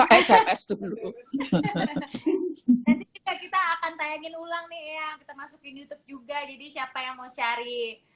nanti kita akan tayangin ulang nih ya kita masukin youtube juga jadi siapa yang mau cari